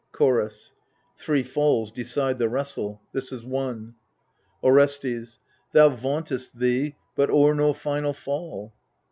Chorus Three fdls decide the wrestle — this is one. Orestes Thou vauntest thee — but o'er no final fall.